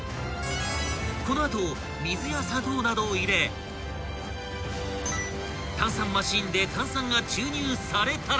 ［この後水や砂糖などを入れ炭酸マシンで炭酸が注入されたら］